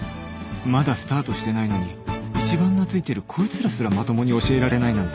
まだスタートしてないのに一番懐いてるこいつらすらまともに教えられないなんて